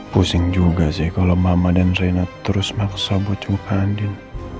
pusing juga sih kalau mama dan reina terus maksa butuh hadir